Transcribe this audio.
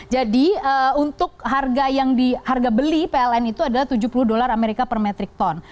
jadi untuk harga yang di harga beli pln itu adalah tujuh puluh dolar amerika per metrik ton